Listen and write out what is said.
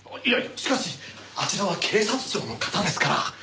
いやしかしあちらは警察庁の方ですから。